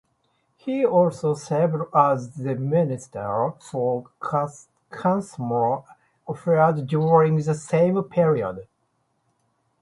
He also served as the minister for consumer affairs during the same period.